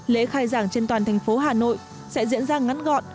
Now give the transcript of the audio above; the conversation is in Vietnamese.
lễ khai giảng trên toàn thành phố hà nội sẽ diễn ra ngắn gọn